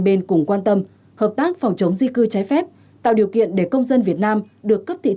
bên cùng quan tâm hợp tác phòng chống di cư trái phép tạo điều kiện để công dân việt nam được cấp thị